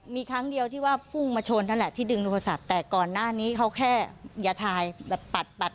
มีครั้งเดียวที่ว่าพุ่งมาชนนั่นแหละที่ดึงโทรศัพท์แต่ก่อนหน้านี้เขาแค่อย่าถ่ายแบบปัดปัด